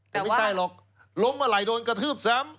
แต่ไม่ใช่หรอกล้มเมื่อไหร่โดนกระทืบซ้ำ